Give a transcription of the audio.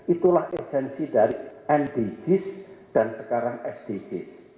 itulah esensi dari ndgs dan sekarang sdgs